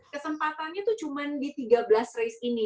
kesempatannya itu cuma di tiga belas race ini